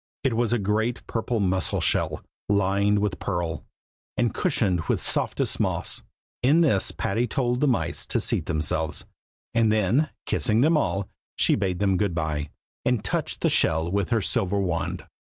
It was a great purple mussel shell, lined with pearl, and cushioned with softest moss. In this Patty told the mice to seat themselves, and then, kissing them all, she bade them good bye, and touched the shell with her silver wand.